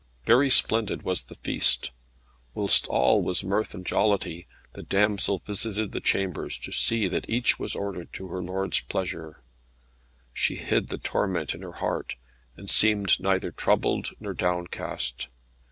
Very splendid was the feast. Whilst all was mirth and jollity, the damsel visited the chambers, to see that each was ordered to her lord's pleasure. She hid the torment in her heart, and seemed neither troubled nor downcast.